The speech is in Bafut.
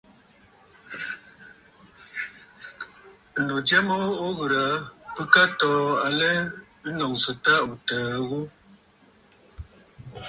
Ɨ̀nnu jya mə o ghɨrə̀ aa, bɨka tɔɔ alɛ ɨ nɔ̀ŋsə tâ ò təə ghu.